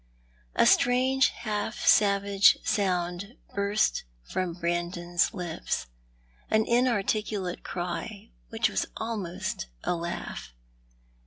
A strange half savage sound burst from Brandon's lips — an inarticulate cry, which was almost a laugh.